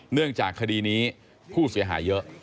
เนื่องจากคดีนี้ผู้เสียหายเยอะ